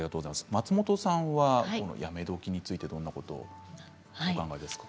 松本さんはやめ時についてどんなことをお考えですか。